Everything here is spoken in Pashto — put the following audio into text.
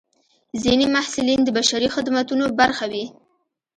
ځینې محصلین د بشري خدمتونو برخه وي.